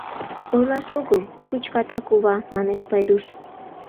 — Ойлаш огыл, шучката кува, — манеш Пайдуш.